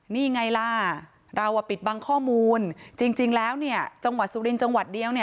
นี่ไงล่ะเราปิดบังข้อมูลจริงแล้วเนี่ยจังหวัดสุรินทร์จังหวัดเดียวเนี่ย